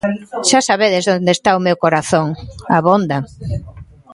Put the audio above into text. "Xa sabedes onde está o meu corazón", abonda.